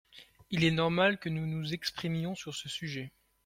Il est normal que nous nous exprimions sur ce sujet.